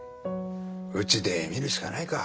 うちで見るしかないか。